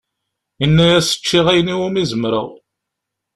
Yenna-yas ččiɣ ayen iwumi zemreɣ.